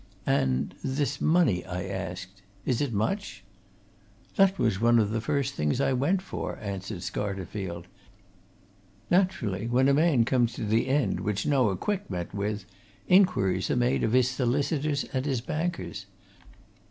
"And this money?" I asked. "Is it much?" "That was one of the first things I went for," answered Scarterfield. "Naturally, when a man comes to the end which Noah Quick met with, inquiries are made of his solicitors and his bankers.